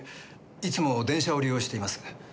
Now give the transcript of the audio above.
いつも電車を利用しています。